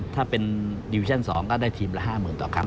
ถ้าเป็นดิวิชั่นสองก็ได้ทีมละห้าหมื่นต่อครั้ง